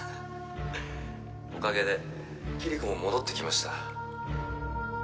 おかげでキリコも戻ってきました